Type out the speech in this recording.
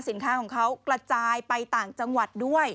สินค้าของเขากระจายไปต่างจังหวัดด้วย